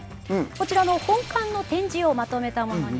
こちら本館の展示をまとめたものになります。